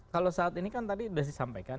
kalau saat ini kan tadi sudah disampaikan